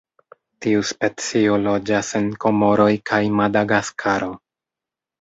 Tiu specio loĝas en Komoroj kaj Madagaskaro.